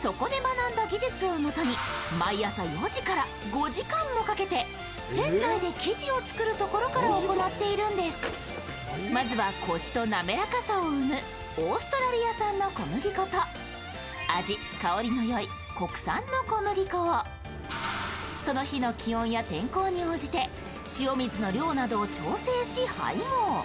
そこで学んだ技術をもとに毎朝４時から５時間もかけて店内で生地を作るところから行っているんですまずはコシと滑らかさを生むオーストラリア産の小麦粉と味、香りのよい国産の小麦粉をその日の気温や天候に応じて塩水の量などを調整し配合。